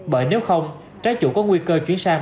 bởi nếu không trái chủ có nguy cơ chuyển sang